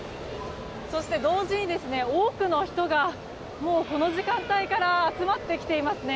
そして、同時に多くの人がもうこの時間帯から集まってきていますね。